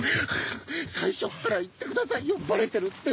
最初から言ってくださいよバレてるって！